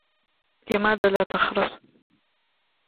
لماذا لا تخرس؟